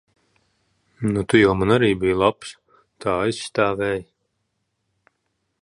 Nu, tu jau man arī biji labs. Tā aizstāvēji.